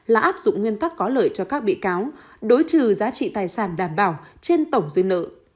là áp dụng nguyên tắc có lợi cho các bị cáo đối trừ giá trị tài sản đảm bảo trên tổng dư nợ